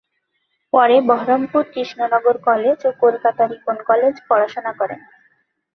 পরে বহরমপুর কৃষ্ণনগর কলেজ ও Kolkata Ripon college পড়াশোনা করেন।